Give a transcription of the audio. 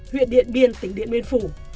huyện điện biên tỉnh điện biên phủ